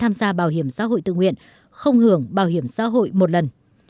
tham gia bảo hiểm xã hội tự nguyện không hưởng bảo hiểm xã hội một lần